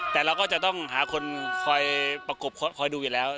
แต่เราก็จะต้องหาคนคอยประกบคอยดูอยู่แล้ว